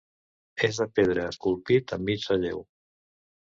És de pedra, esculpit en mig relleu.